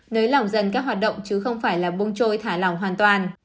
nới lỏng dần các hoạt động chứ không phải là bung trôi thả lỏng hoàn toàn